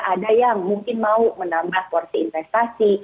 ada yang mungkin mau menambah porsi investasi